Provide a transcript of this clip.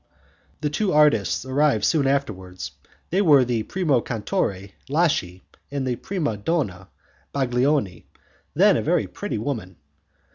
The two artists arrived soon afterwards; they were the 'primo cantatore' Laschi, and the 'prima donna' Baglioni, then a very pretty woman.